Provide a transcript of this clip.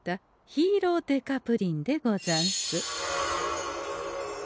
ヒーロー刑事プリンでござんす。